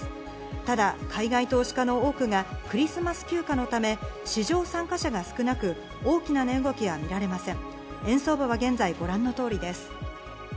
ただ海外投資家の多くがクリスマス休暇のため、市場参加者が少なく大きな値動きは見られません。